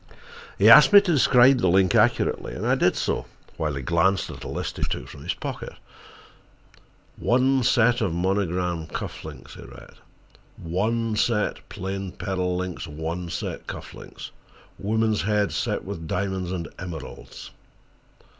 He asked me to describe the link accurately, and I did so, while he glanced at a list he took from his pocket. "One set monogram cuff links," he read, "one set plain pearl links, one set cuff links, woman's head set with diamonds and emeralds.